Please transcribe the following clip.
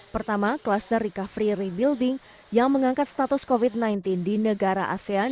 pertama kluster recovery rebuilding yang mengangkat status covid sembilan belas di negara asean